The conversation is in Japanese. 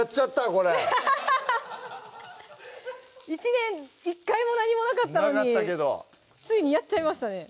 これ１年１回も何もなかったのになかったけどついにやっちゃいましたね